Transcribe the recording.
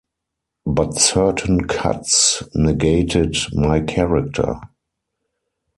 But certain cuts negated my character.